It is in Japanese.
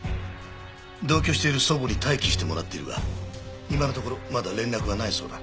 同居している祖母に待機してもらっているが今のところまだ連絡はないそうだ。